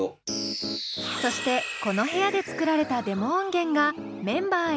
そしてこの部屋で作られたデモ音源がメンバーへ送信されます。